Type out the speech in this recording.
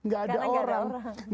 gak ada orang